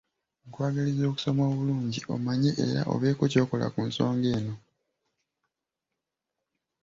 Nkwagaliza okusoma obulungi, omanye era obeeko ky’okola ku nsonga eno!